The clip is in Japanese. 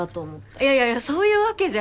いやいやいやそういう訳じゃ。